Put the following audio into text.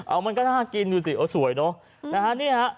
อะมันก็น่ากินสิสวยเนอะ